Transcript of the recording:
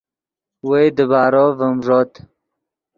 وئے دیبارو ڤیم ݱوت